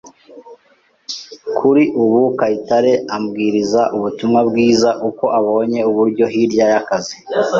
Kuri ubu Kayitare abwiriza ubutumwa bwiza uko abonye uburyo hirya y’akazi